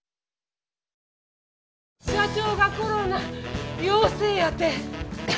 社長がコロナ陽性やて。